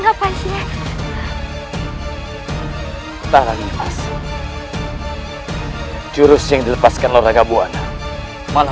apa yang terjadi dengan ibu aku